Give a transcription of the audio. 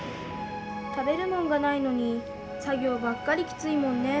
食べるもんがないのに作業ばっかりきついもんね。